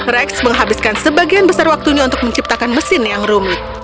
rex menghabiskan sebagian besar waktunya untuk menciptakan mesin yang rumit